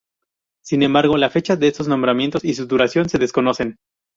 Sin embargo, la fecha de estos nombramientos y su duración se desconocen.